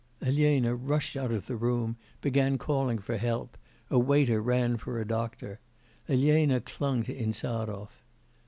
Elena rushed out of the room, began calling for help; a waiter ran for a doctor. Elena clung to Insarov.